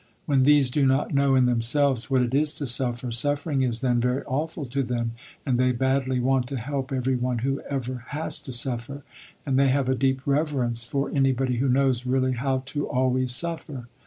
When these do not know in themselves what it is to suffer, suffering is then very awful to them and they badly want to help everyone who ever has to suffer, and they have a deep reverence for anybody who knows really how to always surfer.